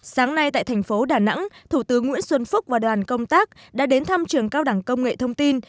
sáng nay tại thành phố đà nẵng thủ tướng nguyễn xuân phúc và đoàn công tác đã đến thăm trường cao đẳng công nghệ thông tin